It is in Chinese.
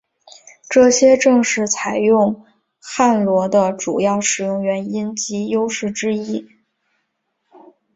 这些正是采用汉罗的主要使用原因及优势之一。